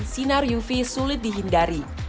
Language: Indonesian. sinar uv sulit dihindari